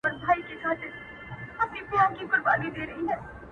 په دې پانوس کي نصیب زر ځله منلی یمه٫